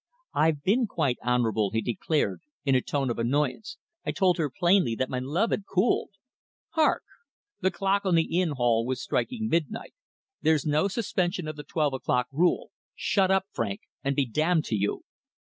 "I've been quite honourable," he declared, in a tone of annoyance. "I told her plainly that my love had cooled. Hark!" The clock on the inn hall was striking midnight. "There's no suspension of the twelve o'clock rule. Shut up, Frank, and be damned to you."